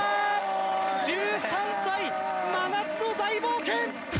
１３歳真夏の大冒険。